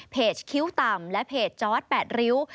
เพจคิ้วต่ำและเพจจอร์ดแปดริ้ว